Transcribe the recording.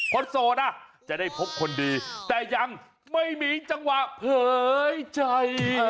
โสดจะได้พบคนดีแต่ยังไม่มีจังหวะเผยใจ